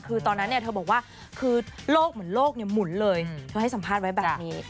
คือตอนนั้นเธอบอกว่าคือโลกเหมือนโลกหมุนเลยเธอให้สัมภาษณ์ไว้แบบนี้